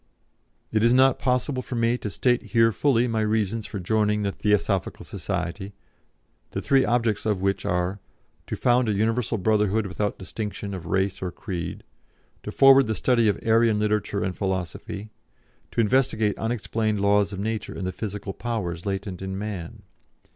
"It is not possible for me here to state fully my reasons for joining the Theosophical Society, the three objects of which are: To found a Universal Brotherhood without distinction of race or creed; to forward the study of Aryan literature and philosophy; to investigate unexplained laws of nature and the physical powers latent in man.